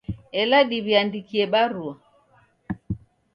Ela diwiandikie barua